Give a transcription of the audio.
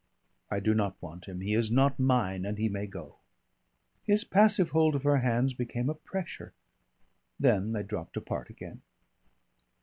I do not want him. He is not mine and he may go." His passive hold of her hands became a pressure. Then they dropped apart again.